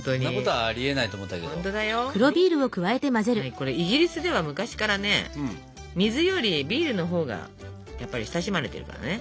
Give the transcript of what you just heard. これイギリスでは昔からね水よりビールのほうがやっぱり親しまれてるからね。